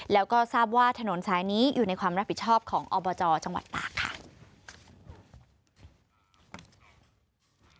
แล้วก็ทราบว่าถนนสายนี้อยู่ในความรับผิดชอบของอบจจังหวัดตากค่ะ